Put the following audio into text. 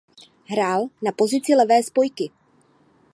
Hrál na pozici levé spojky.